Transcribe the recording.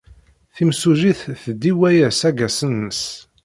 Timsujjit tdiwa-as aggasen-nnes.